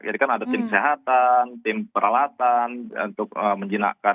jadi kan ada tim kesehatan tim peralatan untuk menjina kesehatan